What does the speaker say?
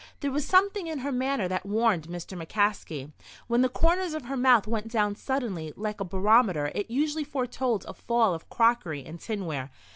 There was something in her manner that warned Mr. McCaskey. When the corners of her mouth went down suddenly like a barometer it usually foretold a fall of crockery and tinware.